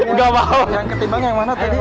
yang ketibaan yang mana tadi